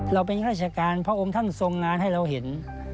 เราเป็นข้าราชการพระองค์ท่านทรงงานให้เราเห็น